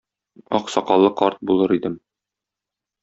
Ак сакаллы карт булыр идем.